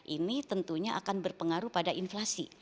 ini tentunya akan berpengaruh pada inflasi